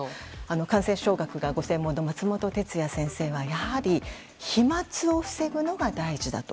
感染症学がご専門の松本哲哉先生はやはり飛沫を防ぐのが大事だと。